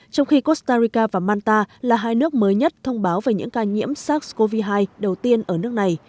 trong khi costa rica và manta là hai nước mới nhất thông báo về những ca nhiễm sars cov hai đầu tiên ở nước này